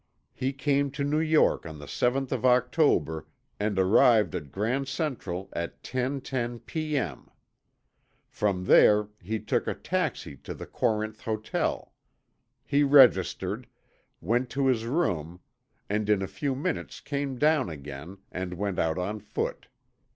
He came to New York on the seventh of October and arrived at Grand Central at 10.10 p. m. From there he took a taxi to the Corinth Hotel. He registered, went to his room, and in a few minutes came down again and went out on foot.